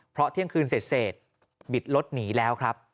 เพราะเที่ยงคืนเสร็จบิดรถหนีแล้วครับ